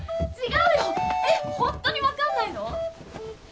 違うのえっほんとにわかんないの？